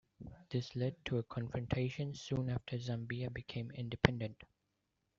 This led to a confrontation soon after Zambia became independent.